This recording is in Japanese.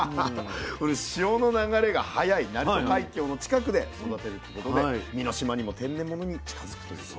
潮の流れが速い鳴門海峡の近くで育てることで身の締まりも天然物に近づくということなんです。